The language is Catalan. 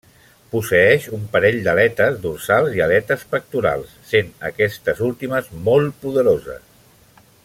Posseeix un parell d'aletes dorsals i aletes pectorals, sent aquestes últimes molt poderoses.